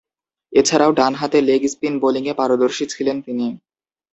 এছাড়াও, ডানহাতে leg spin বোলিংয়ে পারদর্শী ছিলেন তিনি।